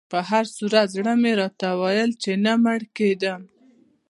په هر صورت زړه مې راته ویل چې نه مړ کېدم.